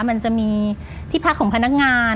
มันจะมีที่พักของพนักงาน